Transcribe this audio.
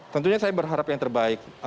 tentunya saya berharap yang terbaik